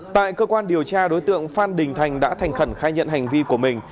tại cơ quan điều tra đối tượng phan đình thành đã thành khẩn khai nhận hành vi của mình